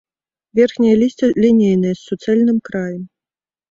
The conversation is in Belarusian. Верхняе лісце лінейнае, з суцэльным краем.